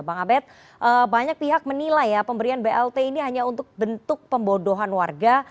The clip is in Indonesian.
bang abed banyak pihak menilai ya pemberian blt ini hanya untuk bentuk pembodohan warga